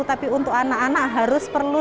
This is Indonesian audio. tapi untuk anak anak harus perlu